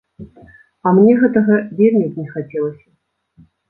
А мне гэтага вельмі б не хацелася.